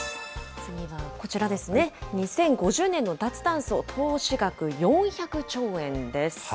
次はこちらですね、２０５０年の脱炭素、投資額４００兆円です。